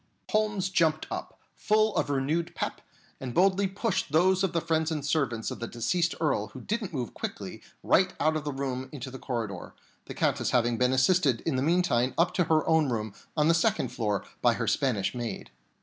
And Holmes jumped up, full of renewed "pep," and boldly pushed those of the friends and servants of the deceased Earl who didn't move quickly right out of the room into the corridor, the Countess having been assisted in the meantime up to her own room on the second floor by her Spanish maid.